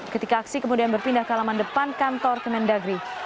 ketika aksi kemudian berpindah ke halaman depan kantor kemendagri